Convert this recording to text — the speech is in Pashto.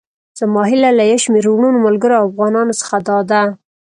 زما هيله له يو شمېر وروڼو، ملګرو او افغانانو څخه داده.